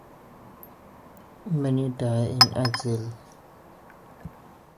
Many died in exile.